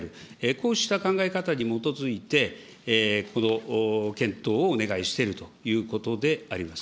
こうした考え方に基づいて、検討をお願いしているということであります。